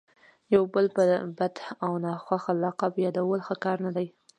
یو بل په بد او ناخوښه لقب یادول ښه کار نه دئ.